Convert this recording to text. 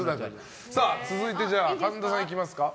続いて、神田さんいきますか。